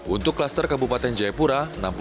untuk kluster kabupaten jayapura